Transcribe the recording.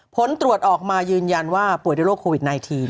ผลตรวจออกมายืนยันว่าป่วยด้วยโรคโควิด๑๙